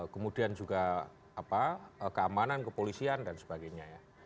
kemudian juga keamanan kepolisian dan sebagainya ya